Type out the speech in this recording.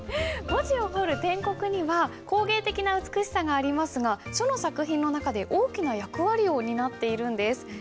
文字を彫る篆刻には工芸的な美しさがありますが書の作品の中で大きな役割を担っているんです。